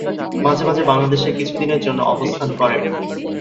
মাঝে মাঝে বাংলাদেশে কিছুদিনের জন্য অবস্থান করেন।